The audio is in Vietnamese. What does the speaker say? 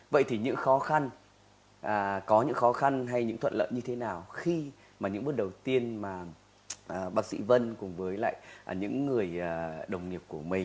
vậy thì những khó khăn có những khó khăn hay những thuận lợi như thế nào khi mà những bước đầu tiên mà bác sĩ vân cùng với lại những người đồng nghiệp của mình